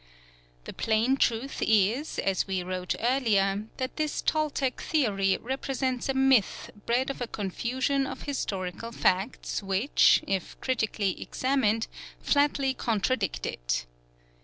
The plain truth is, as we wrote earlier, that this Toltec theory represents a myth bred of a confusion of historical facts which, if critically examined, flatly contradict it.